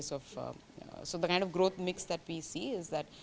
jadi perkembangan yang kita lihat adalah